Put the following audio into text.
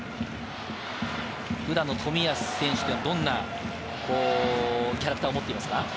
普段の冨安選手はどんなキャラクターを持っていますか？